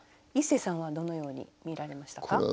イッセーさんはどのように見られましたか？